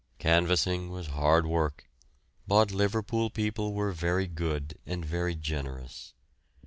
Canvassing was hard work, but Liverpool people were very good and very generous.